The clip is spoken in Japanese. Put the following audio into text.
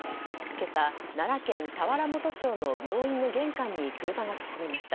今朝、奈良県田原本町の病院の玄関に車が突っ込みました。